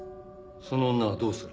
その女はどうする？